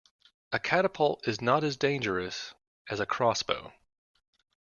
A catapult is not as dangerous as a crossbow